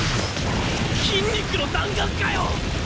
筋肉の弾丸かよ！？